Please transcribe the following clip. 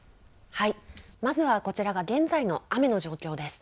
まずはこちらが現在の雨の状況です。